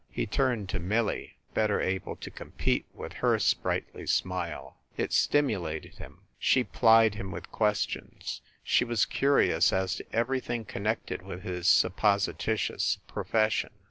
He turned to Millie, better able to compete with her sprightly smile. It stimulated him. She plied him with ques tions. She was curious as to everything connected with his supposititious profession.